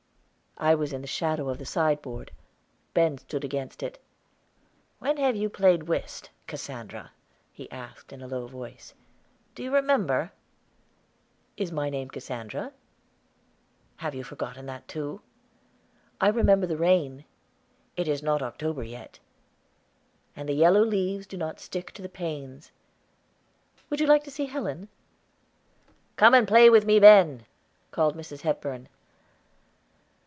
I was in the shadow of the sideboard; Ben stood against it. "When have you played whist, Cassandra?" he asked in a low voice. "Do you remember?" "Is my name Cassandra?" "Have you forgotten that, too?" "I remember the rain." "It is not October, yet." "And the yellow leaves do not stick to the panes. Would you like to see Helen?" "Come, play with me, Ben," called Mrs. Hepburn.